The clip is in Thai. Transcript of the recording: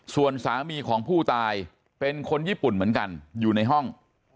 ส่วนสามีของผู้ตายเป็นคนญี่ปุ่นเหมือนกันอยู่ในห้อง